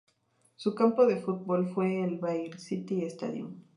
Su campo de fútbol fue el Varsity Stadium.